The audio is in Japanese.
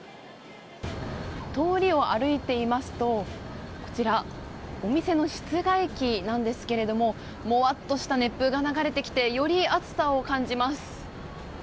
通りを歩いていますとこちら、お店の室外機なんですがもわっとした熱風が流れてきてより暑さを感じます。